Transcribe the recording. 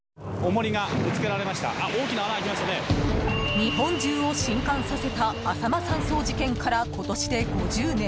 日本中を震撼させた浅間山荘事件から今年で５０年。